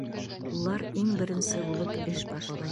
Улар иң беренсе булып эш башлай.